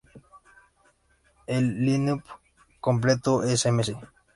El lineup completo es: Ms.